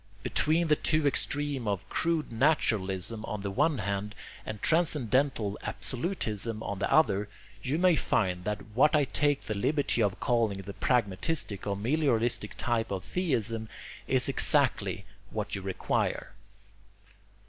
Between the two extremes of crude naturalism on the one hand and transcendental absolutism on the other, you may find that what I take the liberty of calling the pragmatistic or melioristic type of theism is exactly what you require.